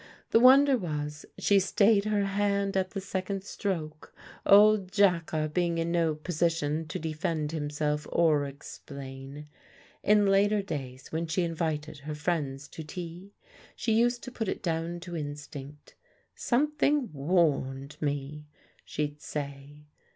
The wonder was, she stayed her hand at the second stroke, old Jacka being in no position to defend himself or explain. In later days when she invited her friends to tea, she used to put it down to instinct. "Something warned me," she'd say.